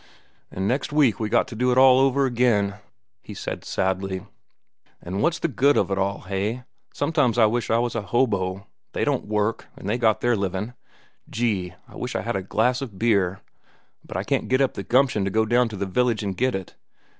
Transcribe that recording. "An' next week we got to do it all over again," he said sadly. "An' what's the good of it all, hey? Sometimes I wish I was a hobo. They don't work, an' they get their livin'. Gee! I wish I had a glass of beer; but I can't get up the gumption to go down to the village an' get it.